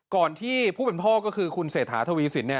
ที่ผู้เป็นพ่อก็คือคุณเศรษฐาทวีสิน